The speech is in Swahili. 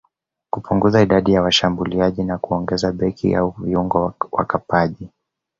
kupunguza idadi ya washambuliaji na kuongeza beki au viungo wakabaji